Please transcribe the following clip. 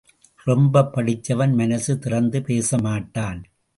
ரொம்ப படிச்சவன் மனசு திறந்து பேசமாட்டான்.